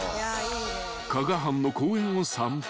［加賀藩の公園を散歩］